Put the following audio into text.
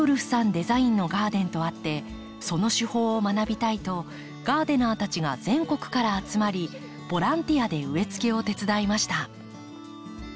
デザインのガーデンとあってその手法を学びたいとガーデナーたちが全国から集まりボランティアで植えつけを手伝いました。